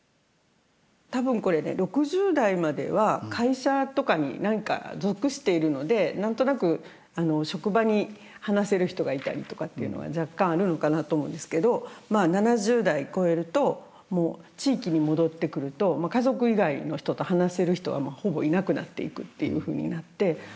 多分これ６０代までは会社とかに何か属しているので何となく職場に話せる人がいたりとかっていうのは若干あるのかなと思うんですけど７０代超えるともう地域に戻ってくると家族以外の人と話せる人はもうほぼいなくなっていくっていうふうになって。